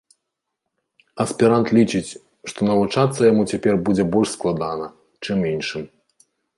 Аспірант лічыць, што навучацца яму цяпер будзе больш складана, чым іншым.